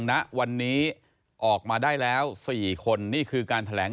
ณวันนี้ออกมาได้แล้ว๔คนนี่คือการแถลง